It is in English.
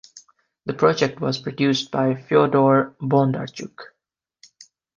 The project was produced by Fyodor Bondarchuk.